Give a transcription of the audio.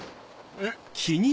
えっ？